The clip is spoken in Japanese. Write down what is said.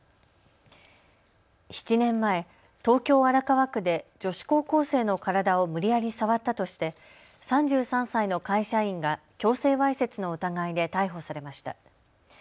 ７年前、東京荒川区で女子高校生の体を無理やり触ったとして３３歳の会社員が強制わいせつの疑いで逮捕されました。